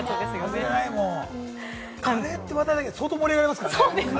カレーってだけで相当盛り上がりますよね。